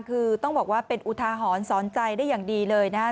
คือต้องบอกว่าเป็นอุทาหรณ์สอนใจได้อย่างดีเลยนะครับ